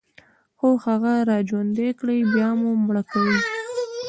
خو هغه راژوندي كړئ، بيا مو مړه کوي